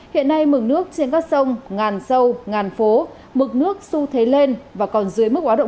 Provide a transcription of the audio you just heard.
hiện nay mực nước trên các sông ngàn sâu ngàn phố mực nước su thế lên và còn dưới mức quá độ một